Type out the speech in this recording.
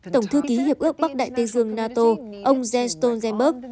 tổng thư ký hiệp ước bắc đại tây dương nato ông zed stone zemburg